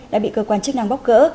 đã bị cơ quan chức năng bóc cỡ